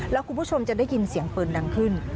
แล้วคุณผู้ชมจะได้ยินเสียงปืนดังขึ้น